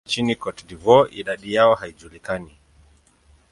Pia kuna wasemaji nchini Cote d'Ivoire; idadi yao haijulikani.